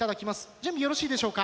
準備よろしいでしょうか？